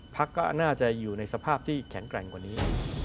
พักก็น่าจะอยู่ในสภาพที่แข็งแกร่งกว่านี้